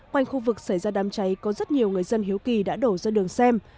quanh khu vực xảy ra đám cháy có rất nhiều người dân hiếu kỳ đã đổ ra đường xem